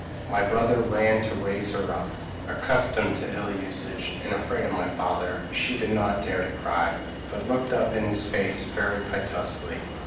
My brother ran to raise her up. Accustomed to ill usage and afraid of my father, she did not dare to cry, but looked up in his face very piteously.